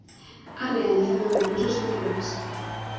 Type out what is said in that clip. Ha realizado numerosos informes.